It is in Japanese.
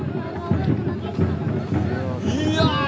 いや！